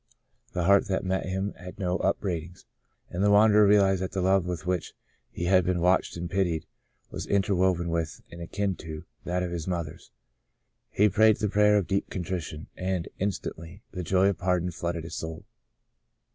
The heart that met him had no upbraidings, and the wanderer realized that the Love with which he had been watched and pitied was inter woven with, and akin to, that of his mother's. He prayed the prayer of deep contrition, and, instantly, the joy of pardon flooded his soul.